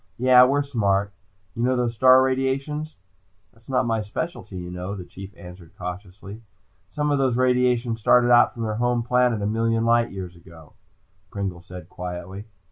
Yeah, we're smart. You know those star radiations?" "That's not my specialty, you know," the Chief answered cautiously. "Some of those radiations started out from their home planet a million light years ago," Pringle said quietly.